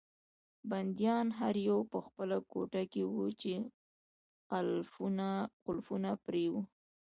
بندیان هر یو په خپله کوټه کې وو چې قلفونه پرې وو.